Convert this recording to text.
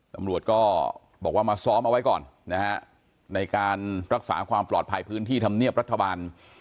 ตำรวจก็บอกว่ามาซ้อมเอาไว้ก่อนนะฮะในการรักษาความปลอดภัยพื้นที่ธรรมเนียบรัฐบาล